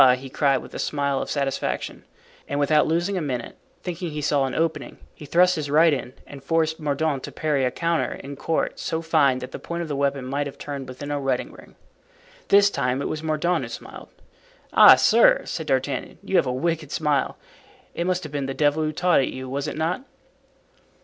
he cried with a smile of satisfaction. And without losing a minute, thinking he saw an opening, he thrust his right in and forced Mordaunt to parry a counter en quarte so fine that the point of the weapon might have turned within a wedding ring. This time it was Mordaunt who smiled. "Ah, sir," said D'Artagnan, "you have a wicked smile. It must have been the devil who taught it you, was it not?"